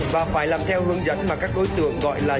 và phải làm theo hướng dẫn mà các đối tượng gọi là